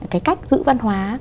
cái cách giữ văn hóa